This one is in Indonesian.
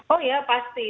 oh ya pasti